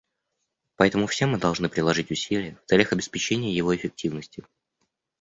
Поэтому все мы должны приложить усилия в целях обеспечения его эффективности.